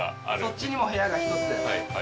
そっちにも部屋が１つ。